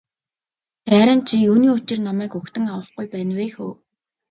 Сайран чи юуны учир намайг угтан авахгүй байна вэ хө.